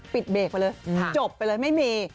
เบรกไปเลยจบไปเลยไม่มี